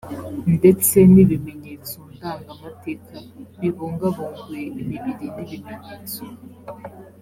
ndetse n’ibimenyetso ndangamateka bibungabungwe imibiri n’ibimenyetso